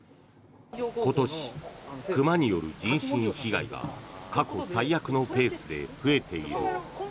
今年、熊による人身被害が過去最悪のペースで増えている。